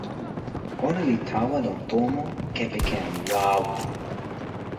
ona li tawa lon tomo kepeken wawa.